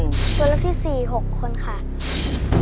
ตัวเลือกที่๔๖คนค่ะ